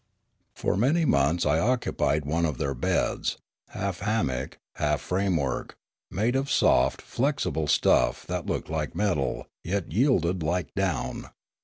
For many months I occupied one of their beds, half hammock, half framework, made of soft, flexible stuff that looked like metal, yet yielded like down.